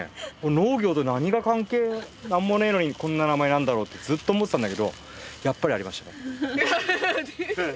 農業と何が関係何もねえのにこんな名前なんだろうってずっと思ってたんだけどやっぱりありましたね。